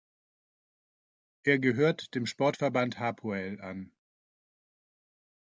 Er gehört dem Sportverband Hapoel an.